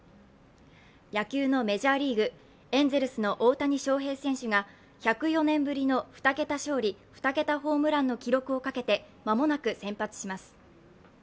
野球のメジャーリーグ、エンゼルスの大谷翔平選手が１０４年ぶりの２桁勝利・２桁ホームランの記録をかけて間もなく先発します。